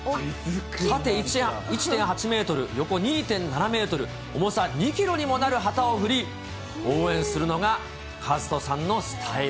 縦１．８メートル、横２．７メートル、重さ２キロにもなる旗を振り、応援するのが、和人さんのスタイル。